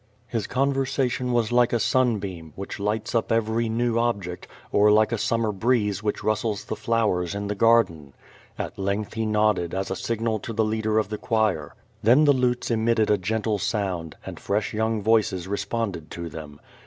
His conversation was like a sunbeam, which lights up every new object, or like a summer breeze which rustics the flowers in the garden. At length he nodded as a signal to the leader 0170 VADIS. 507 of the choir. Then the lutes emitted a gentle sound, and fresh young voices responded to them.